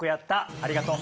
ありがとう。